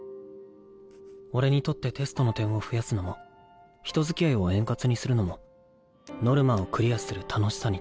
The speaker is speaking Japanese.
俺にとってテストの点を増やすのも人づきあいを円滑にするのもクリアするためのコストは